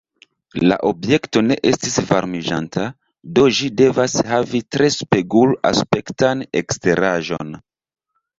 La objekto ne estis varmiĝanta, do ĝi devas havi tre spegul-aspektan eksteraĵon.